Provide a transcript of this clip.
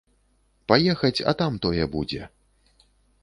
Паехаць, а там тое будзе.